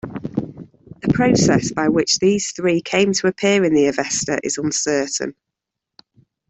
The process by which these three came to appear in the Avesta is uncertain.